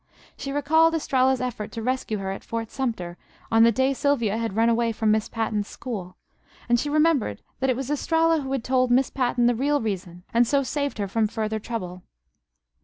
She recalled Estralla's effort to rescue her at Fort Sumter on the day Sylvia had run away from Miss Patten's school; and she remembered that it was Estralla who had told Miss Patten the real reason, and so saved her from further trouble.